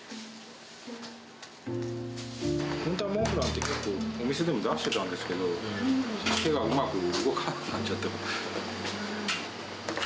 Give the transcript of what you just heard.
本当はモンブランって結構、お店でも出してたんですけど、手がうまく動かなくなっちゃって。